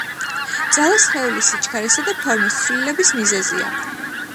ძალა სხეულის სიჩქარისა და ფორმის ცვლილების მიზეზია